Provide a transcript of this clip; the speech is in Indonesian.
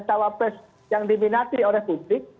cawapres yang diminati oleh publik